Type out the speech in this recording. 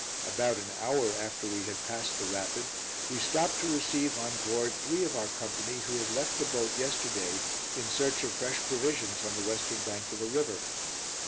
About an hour after we had passed the rapid, we stopped to receive on board three of our company who had left the boat yesterday in search of fresh provisions on the western bank of the river.